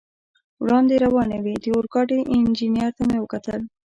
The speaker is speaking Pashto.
وړاندې روانې وې، د اورګاډي انجنیر ته مې وکتل.